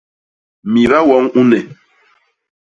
Miba woñ u nne.